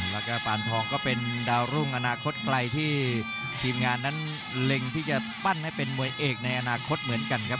แล้วก็ปานทองก็เป็นดาวรุ่งอนาคตไกลที่ทีมงานนั้นเล็งที่จะปั้นให้เป็นมวยเอกในอนาคตเหมือนกันครับ